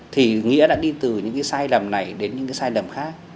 thì nghĩa đã đi từ những cái sai lầm này đến những cái sai lầm khác